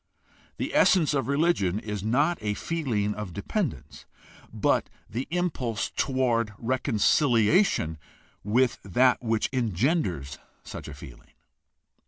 The essence of religion is not a feeling of dependence, but the impulse toward reconciliation with that which engenders such a feeling.